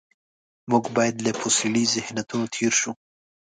موږ باید له فوسیلي ذهنیتونو تېر شو.